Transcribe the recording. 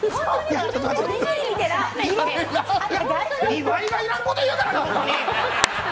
岩井がいらんこと言うからだ！